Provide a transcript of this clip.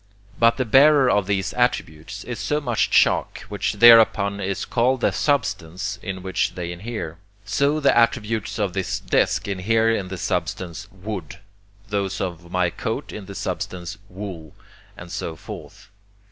But the bearer of these attributes is so much chalk, which thereupon is called the substance in which they inhere. So the attributes of this desk inhere in the substance 'wood,' those of my coat in the substance 'wool,' and so forth.